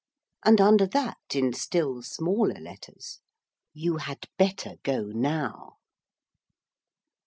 And under that in still smaller letters '_You had better go now.